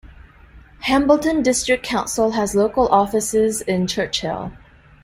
Hambleton District Council has local offices in Church Hill.